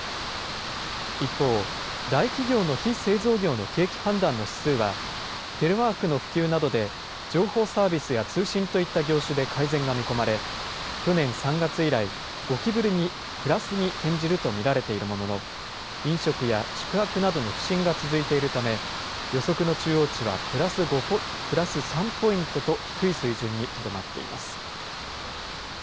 一方、大企業の非製造業の景気判断の指数は、テレワークの普及などで情報サービスや通信といった業種で改善が見込まれ、去年３月以来、５期ぶりにプラスに転じると見られているものの、飲食や宿泊などの不振が続いているため、予測の中央値はプラス３ポイントと低い水準にとどまっています。